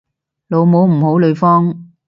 老母唔好呂方